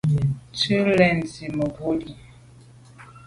Tshù lagntse mebwô li.